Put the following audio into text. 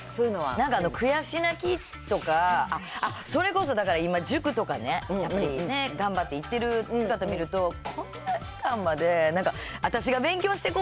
なんか悔し泣きとか、あっ、それこそだから、今、塾とかね、やっぱり頑張って行ってる姿見ると、こんな時間までなんか、私が勉強してこぉ